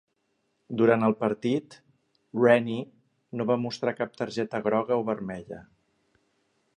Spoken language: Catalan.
Durant el partit, Rennie no va mostrar cap targeta groga o vermella.